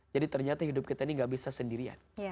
jadi ternyata hidup kita ini gak bisa sendirian